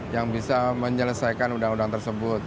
yang bisa menyelesaikan undang undang tersebut